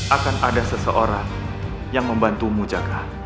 akan ada seseorang yang membantumu jaka